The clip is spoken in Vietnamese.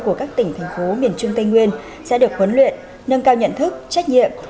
của các tỉnh thành phố miền trung tây nguyên sẽ được huấn luyện nâng cao nhận thức trách nhiệm